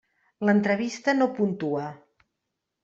L'entrevista no puntua.